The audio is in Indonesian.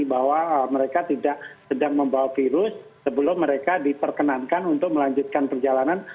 bahwa mereka tidak sedang membawa virus sebelum mereka diperkenankan untuk melanjutkan perjalanan